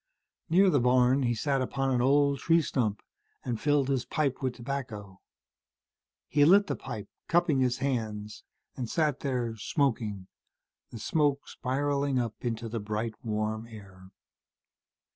Near the barn, he sat upon an old tree stump and filled his pipe with tobacco. He lit the pipe, cupping his hands, and sat there, smoking, the smoke spiraling up into the bright warm air.